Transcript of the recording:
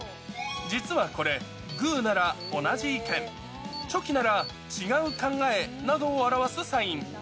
実はこれ、グーなら同じ意見、チョキなら違う考えなどを表すサイン。